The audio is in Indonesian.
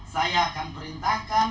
saya akan perintahkan tim anev